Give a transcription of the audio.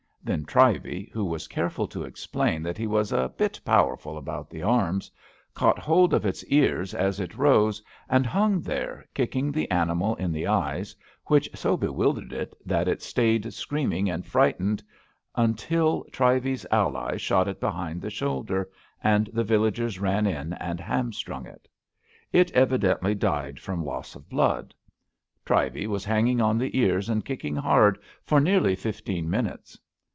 Then Trivey, who was careful to explain that he was a ^* bit powerful about the arms/' caught hold of its ears as it rose, and hung there, kicking the animal in the eyes, which so bewildered it that it stayed screaming and frightened imtil Trivey 's ally shot it behind the shoulder, and the villagers ran in and hamstrung it. It evidently died from loss of blood. Trivey was hanging on the ears and kicking hard for nearly fifteen min utes.